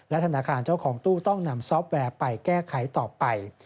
ธนาคารเจ้าของตู้ต้องนำซอฟต์แวร์ไปแก้ไขต่อไป